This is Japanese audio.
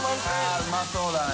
うまそうだね。